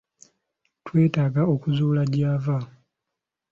twetaaga okuzuula gy'ava.